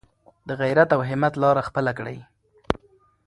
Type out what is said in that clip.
د غیرت او همت لاره خپله کړئ.